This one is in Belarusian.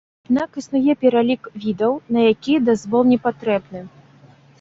Аднак існуе пералік відаў, на якія дазвол не патрэбны.